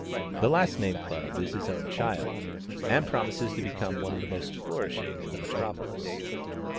The last named club is his own child, and promises to become one of the most flourishing in the metropolis.